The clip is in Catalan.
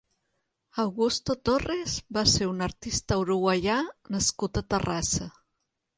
Augusto Torres va ser un artista uruguaià nascut a Terrassa.